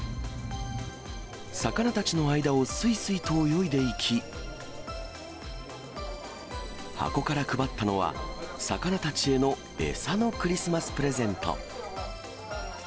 魚たちの間をすいすいと泳いでいき、箱から配ったのは、魚たちへの餌のクリスマスプレゼント。